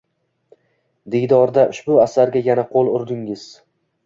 Diydorda ushbu asarga yana qo‘l urdingiz.